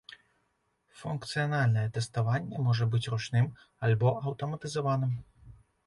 Функцыянальнае тэставанне можа быць ручным альбо аўтаматызаваным.